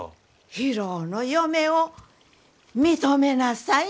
博夫の嫁を認めなさい。